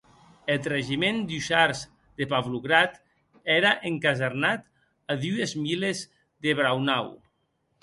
Eth regiment d’ussars de Pavlograd ère encasernat a dues miles de Braunau.